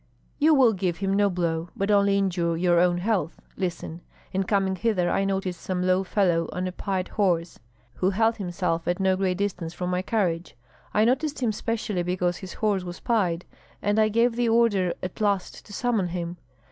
"You will give him no blow, but only injure your own health. Listen! in coming hither I noticed some low fellow on a pied horse, who held himself at no great distance from my carriage. I noticed him specially because his horse was pied, and I gave the order at last to summon him.